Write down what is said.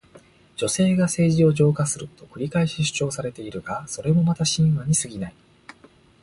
女性が政治を浄化すると繰り返し主張されているが、それもまた神話にすぎない。